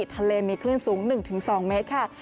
ทะเลมีคลื่นสูง๑๒เมตรค่ะ